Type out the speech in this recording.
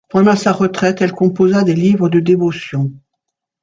Pendant sa retraite, elle composa des livres de dévotions.